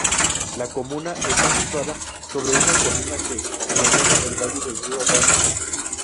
La comuna está situada sobre una colina que domina el valle del río Rance.